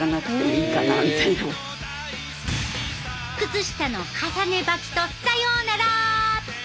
靴下の重ね履きとさようなら！